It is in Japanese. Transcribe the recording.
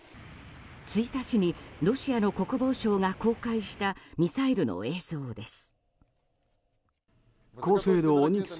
１日にロシアの国防省が公開したミサイルの映像です。